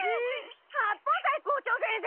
八方斎校長先生！